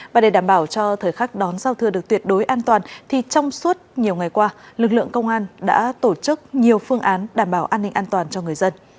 và để đảm bảo cho thời khắc đón giao thừa được tuyệt đối an toàn thì trong suốt nhiều ngày qua lực lượng công an đã tổ chức nhiều phương án đảm bảo an ninh an toàn cho người dân